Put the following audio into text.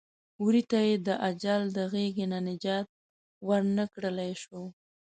وري ته یې د اجل د غېږې نه نجات ور نه کړلی شو.